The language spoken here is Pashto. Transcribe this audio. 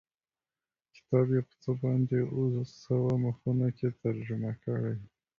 کتاب یې په څه باندې اووه سوه مخونو کې ترجمه کړی.